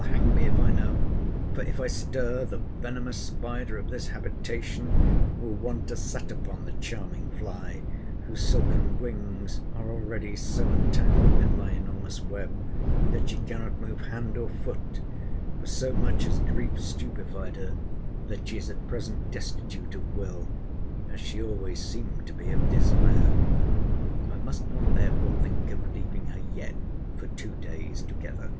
—Hang me, if I know!—For, if I stir, the venomous spider of this habitation will want to set upon the charming fly, whose silken wings are already so entangled in my enormous web, that she cannot move hand or foot: for so much has grief stupified her, that she is at present destitute of will, as she always seemed to be of desire. I must not therefore think of leaving her yet for two days together.